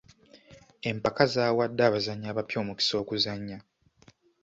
Empaka zaawadde abazannyi abapya omukisa okuzannya.